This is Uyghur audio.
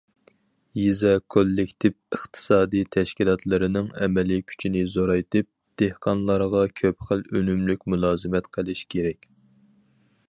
يېزا كوللېكتىپ ئىقتىسادىي تەشكىلاتلىرىنىڭ ئەمەلىي كۈچىنى زورايتىپ، دېھقانلارغا كۆپ خىل ئۈنۈملۈك مۇلازىمەت قىلىش كېرەك.